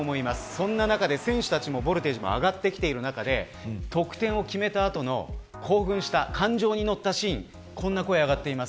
そんな中で選手たちのボルテージも上がってきている中で得点を決めた後の興奮した感情にのったシーンこんな声が上がっています。